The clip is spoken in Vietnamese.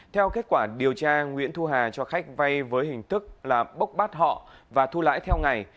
theo kết quả điều tra nguyễn thu hà cho khách vay với hình thức là bốc bát họ và thu lãi theo ngày